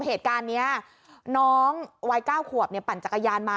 เหตุการณ์นี้น้องวัย๙ขวบปั่นจักรยานมา